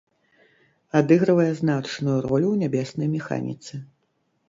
Адыгрывае значную ролю ў нябеснай механіцы.